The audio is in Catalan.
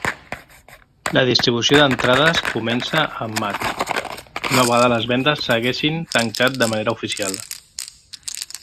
La distribució d'entrades comença en maig, una vegada les vendes s'haguessin tancat de manera oficial.